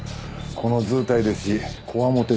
この図体ですしこわもてですからね。